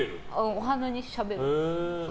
お花にしゃべる。